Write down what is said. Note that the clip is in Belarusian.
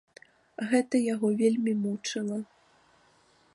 Гэта яго вельмі мучыла.